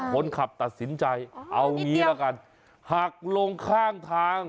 ตัดสินใจเอางี้ละกันหักลงข้างทาง